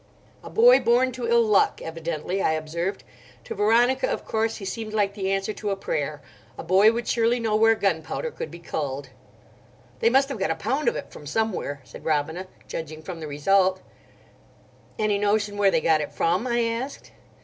"A boy born to ill luck, evidently," I observed. "To Veronica of course he seemed like the answer to a prayer. A boy would surely know where gunpowder could be culled." "They must have got a pound of it from somewhere," said Robina, "judging from the result." "Any notion where they got it from?" I asked.